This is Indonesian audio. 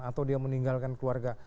atau dia meninggalkan keluarga